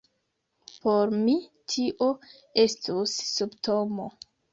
Por mi tio estus simptomo!